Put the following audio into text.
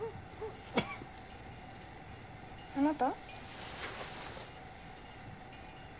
あなた？